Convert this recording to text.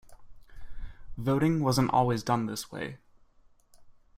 Voting wasn't always done this way.